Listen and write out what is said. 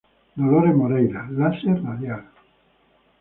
Dolores Moreira, láser radial.